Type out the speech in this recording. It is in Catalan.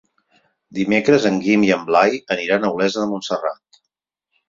Dimecres en Guim i en Blai aniran a Olesa de Montserrat.